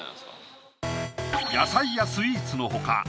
⁉野菜やスイーツの他